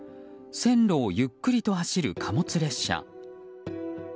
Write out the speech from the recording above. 線路をゆっくりと走る貨物列車。